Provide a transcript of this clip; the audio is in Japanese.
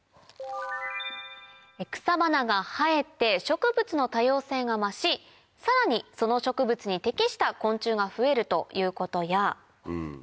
草花が生えて植物の多様性が増しさらにその植物に適した昆虫が増えるということや。